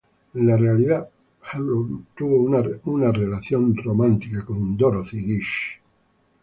En la realidad, Harron tuvo una relación romántica con Dorothy Gish.